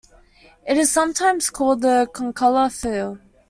It is sometimes called concolor fir.